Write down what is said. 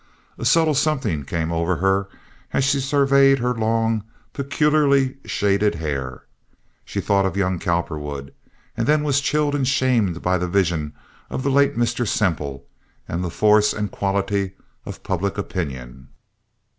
A subtle something came over her as she surveyed her long, peculiarly shaded hair. She thought of young Cowperwood, and then was chilled and shamed by the vision of the late Mr. Semple and the force and quality of public opinion.